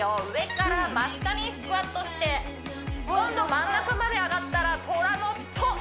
上から真下にスクワットして今度真ん中まで上がったらトラの「ト」